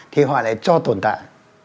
thì họ lại cho tồn tại